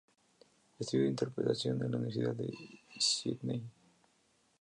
Estudió interpretación en la Universidad de Sídney.